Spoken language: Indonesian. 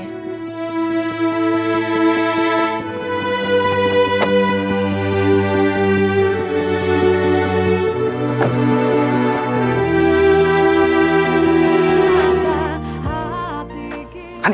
kamu ngapain dateng ke kantor ini